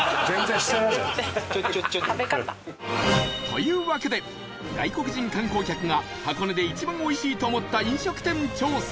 というわけで、外国人観光客が箱根で一番おいしいと思った飲食店調査